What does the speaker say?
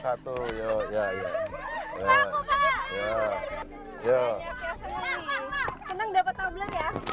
senang dapat tumbler ya